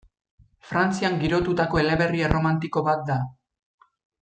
Frantzian girotutako eleberri erromantiko bat da.